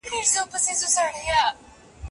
د چاپېريال ساتنې تګلاري ولي جوړېږي؟